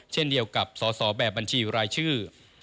เช่นเดียวกับสอสอแบบบัญชีรายชื่อ